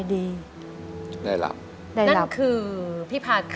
อเรนนี่คือเหตุการณ์เริ่มต้นหลอนช่วงแรกแล้วมีอะไรอีก